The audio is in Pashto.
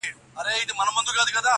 په کاروان کي سو روان د هوښیارانو٫